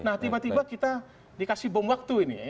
nah tiba tiba kita dikasih bom waktu ini